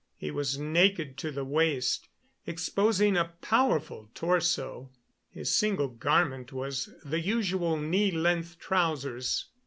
He was naked to the waist, exposing a powerful torso. His single garment was the usual knee length trousers.